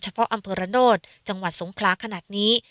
เพาะอำเภอระโนธจังหวัดสงคลาขนาดนี้